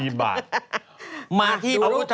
พระพุทธรูปสูงเก้าชั้นหมายความว่าสูงเก้าชั้น